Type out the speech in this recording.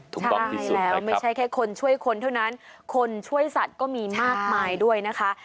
ใช่แล้วไม่ใช่แค่คนช่วยคนเท่านั้นคนช่วยสัตว์ก็มีมากมายด้วยนะคะ